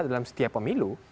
dalam setiap pemilu